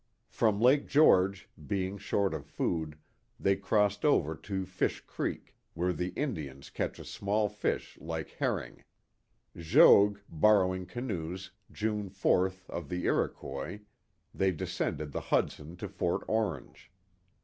From Lake George, being short of food, they crossed over to Fish Creek, *' where the Indians catch a small fish like her *'^"g * (J<^gucs) Borrowing canoes, June 4th, of the Iroquois, they descended the Hudson to Fort Orange.